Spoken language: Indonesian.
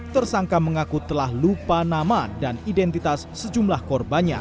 tersangka mengaku telah lupa nama dan identitas sejumlah korbannya